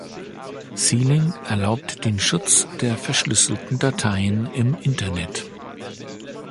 Sealing erlaubt den Schutz der verschlüsselten Dateien im Internet.